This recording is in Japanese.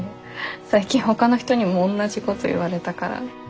最近ほかの人にもおんなじこと言われたから。